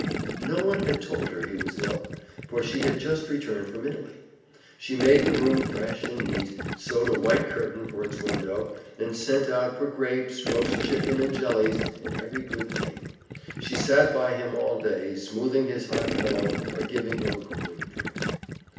No one had told her he was ill, for she had just returned from Italy. She made the room fresh and neat, sewed a white curtain for its window, and sent out for grapes, roast chicken and jellies, and every good thing. She sat by him all day, smoothing his hot pillow or giving him a cooling drink.